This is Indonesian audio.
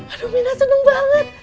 aduh mina seneng banget